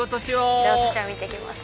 じゃあ私は見て来ます。